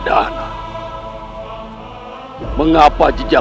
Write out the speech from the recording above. saya harus mengambil tawaran